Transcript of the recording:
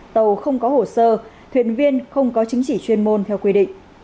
tàu không có hồ sơ thuyền viên không có chính trị chuyên môn theo quy định